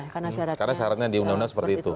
karena syaratnya di undang undang seperti itu